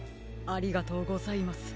ありがとうございます。